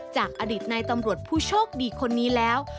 จากอดีตในตำรวจผู้โชคดีคนนี้แล้ว